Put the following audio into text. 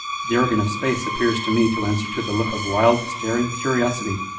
The organ of space appears to me to answer to the look of wild, staring curiosity.